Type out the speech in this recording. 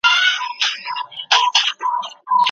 امن ژوند د خلکو ترمنځ باور او تفاهم زیاتوي.